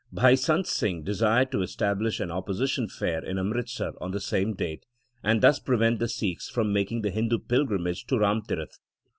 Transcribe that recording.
Bhai Sant Singh desired to establish an opposition fair in Amritsar on the same date, and thus prevent the Sikhs from making the Hindu pilgrimage to Ram Tirath.